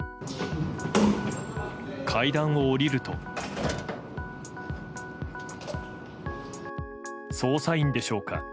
階段を下りると捜査員でしょうか